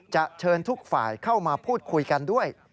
เชิญทุกฝ่ายเข้ามาพูดคุยกันด้วย